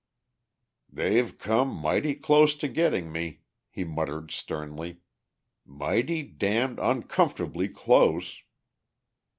"They've come mighty close to getting me," he muttered sternly. "Mighty damned uncomfortably close!"